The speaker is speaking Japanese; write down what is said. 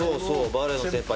バレーの先輩